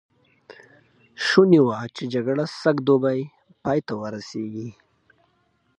شوني وه چې جګړه سږ دوبی پای ته ورسېږي.